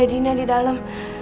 ada dina di dalem